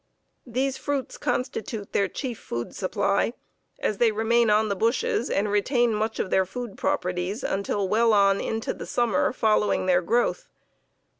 These fruits constitute their chief food supply, as they remain on the bushes and retain much of their food properties until well on into the summer following their growth.